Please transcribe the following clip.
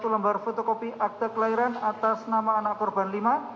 satu lembar fotokopi akte kelahiran atas nama anak korban lima